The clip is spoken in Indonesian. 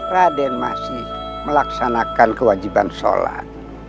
raden masih melaksanakan kewajiban sholat